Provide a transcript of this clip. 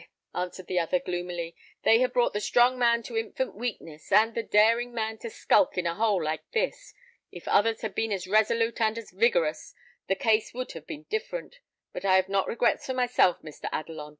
answered the other, gloomily, "they have brought the strong man to infant weakness, and the daring man to skulk in a hole like this. If others had been as resolute and as vigorous, the case would have been different. But I have not regrets for myself, Mr. Adelon.